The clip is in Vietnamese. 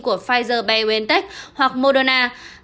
của pfizer biontech hoặc moderna